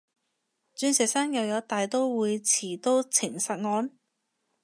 鑽石山又有大刀會持刀情殺案？